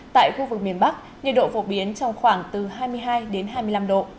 tại khu vực miền bắc nhiệt độ phổ biến trong khoảng từ hai mươi hai đến hai mươi năm độ